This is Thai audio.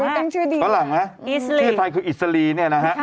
ตั้งชื่อดีฝรั่งไหมชื่อไทยคืออิสรีเนี่ยนะฮะ